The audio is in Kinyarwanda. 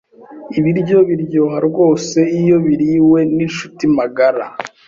Ibiryo biryoha rwose iyo biririwe ninshuti magara.